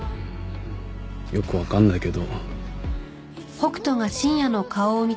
よくわかんないけど。